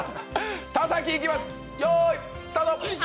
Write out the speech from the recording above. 田崎、いきます、よーい、スタート。